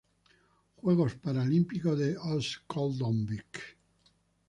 Juegos Paralímpicos de Örnsköldsvik